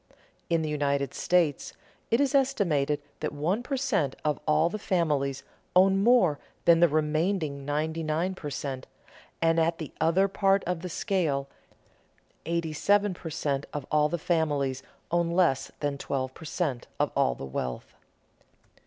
In the United States it is estimated that one per cent. of all the families own more than the remaining ninety nine per cent.; and at the other part of the scale eighty seven per cent. of all the families own less than twelve per cent. of all the wealth.